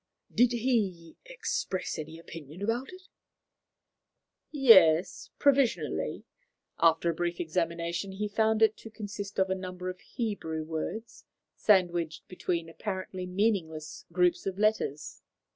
"Did he express any opinion about it?" "Yes, provisionally. After a brief examination, he found it to consist of a number of Hebrew words sandwiched between apparently meaningless groups of letters.